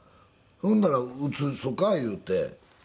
ほんなら移そか言うて。